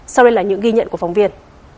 sau đây là những ghi nhận của phóng viên